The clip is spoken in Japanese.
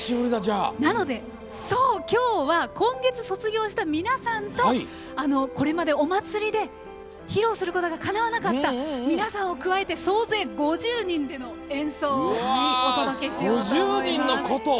なので、今日は今月卒業した皆さんとこれまでお祭りで披露することがかなわなかった皆さんを加えて総勢５０人での演奏をお届けしようと思います。